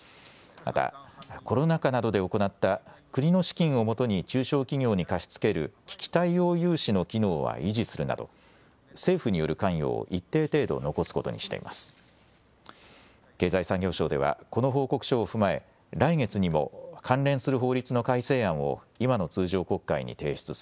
またコロナ禍などで行った国の資金をもとに中小企業に貸し付ける危機対応融資の機能は維持するなど政府による関与を一定程度残すことにしています。